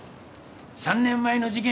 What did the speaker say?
３年前の事件